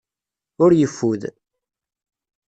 Ur yeffud.